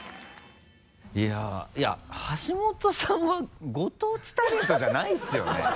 いやぁ橋本さんはご当地タレントじゃないですよね。